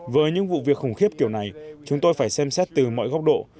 với những vụ việc khủng khiếp kiểu này chúng tôi phải xem xét từ mọi góc độ